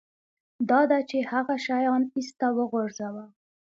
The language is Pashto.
دا ده چې هغه شیان ایسته وغورځوه